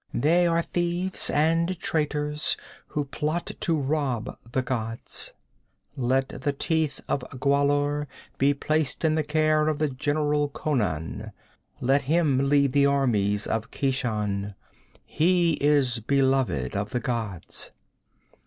'They are thieves and traitors who plot to rob the gods. Let the Teeth of Gwahlur be placed in the care of the general Conan. Let him lead the armies of Keshan. He is beloved of the gods!'